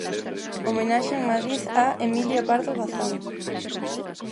Homenaxe en Madrid a Emilia Pardo Bazán.